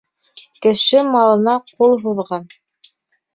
Кеше малына ҡул һуҙған